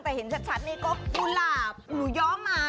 แต่เห็นชัดนี่ก็กุหลาบหนูย้อมา